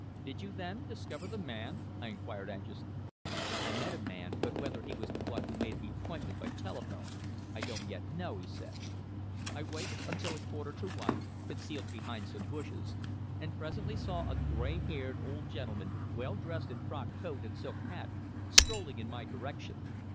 "Did you, then, discover the man?" I inquired anxiously. "I met a man, but whether he was the one who made the appointment by telephone I don't yet know," he said. "I waited until a quarter to one, concealed behind some bushes, and presently saw a grey haired old gentleman, well dressed in frock coat, and silk hat, strolling in my direction.